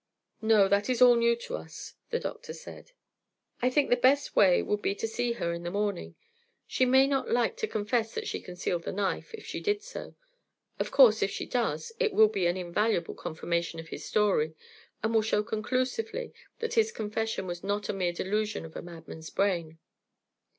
"No; that is all new to us," the doctor said. "I think the best way would be to see her in the morning. She may not like to confess that she concealed the knife, if she did so. Of course, if she does, it will be an invaluable confirmation of his story, and will show conclusively that his confession was not a mere delusion of a madman's brain."